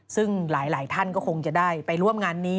ซึ่งหลายท่านก็คงจะได้ไปร่วมงานนี้